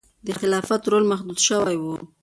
د خلافت رول محدود شوی و.